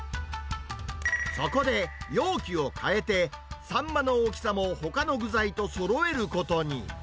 そこで、容器を変えて、サンマの大きさもほかの具材とそろえることに。